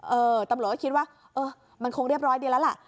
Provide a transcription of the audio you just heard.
เออตำรวจก็คิดว่าเออมันคงเรียบร้อยดีแล้วล่ะ